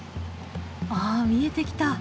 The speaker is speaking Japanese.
ああ見えてきた。